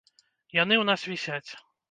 Яны ў нас вісяць.